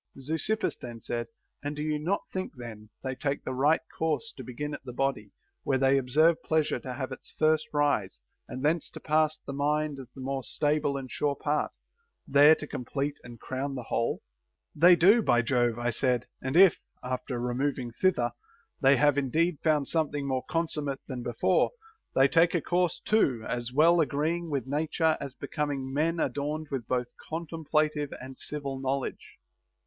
4. Zeuxippus then said : And do you not think then they take the right course to begin at the body, where they observe pleasure to have its first rise, and thence to pass to the mind as the more stable and sure part, there to complete and crown the whole \ They do, by Jove, I said ; and if, after removing thither, they have indeed found something more consummate than before, they take a course too as well agreeing with nature as becoming men adorned with both contemplative and civil knowledge.